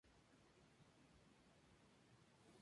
Es un lago endorreico, sin salida.